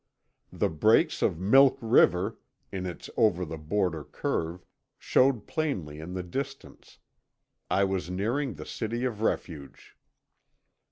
The breaks of Milk River, in its over the border curve, showed plainly in the distance. I was nearing the City of Refuge.